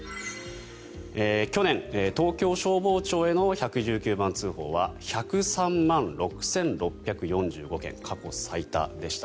去年、東京消防庁への１１９番通報は１０３万６６４５件過去最多でした。